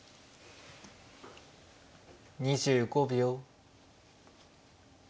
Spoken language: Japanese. ２５秒。